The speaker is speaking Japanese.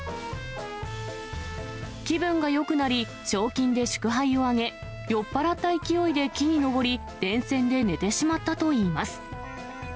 気分がよくなり、賞金で祝杯を挙げ、酔っ払った勢いで木に登り、電線で寝てしまったといいます。